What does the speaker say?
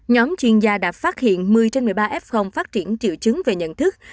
nhóm chuyên gia đã phát hiện một mươi trên một mươi ba f phát triển triệu chứng về nhận thức